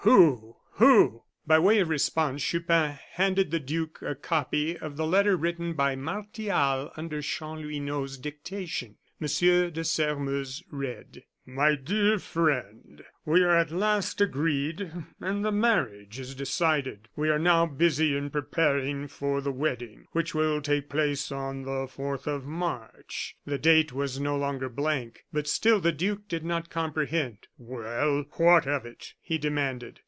"Who? who?" By way of response, Chupin handed the duke a copy of the letter written by Martial under Chanlouineau's dictation. M. de Sairmeuse read: "My dear friend We are at last agreed, and the marriage is decided. We are now busy in preparing for the wedding, which will take place on the 4th of March." The date was no longer blank; but still the duke did not comprehend. "Well, what of it?" he demanded.